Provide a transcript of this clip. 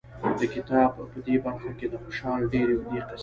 د کتاب په دې برخه کې د خوشحال ډېرې اوږې قصیدې